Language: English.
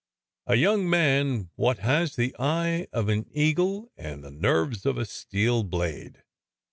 A young man wot has the eye of an eagle and the nerves of a steel blade.